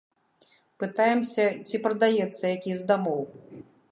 Пытаемся, ці прадаецца які з дамоў.